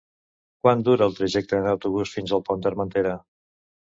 Quant dura el trajecte en autobús fins al Pont d'Armentera?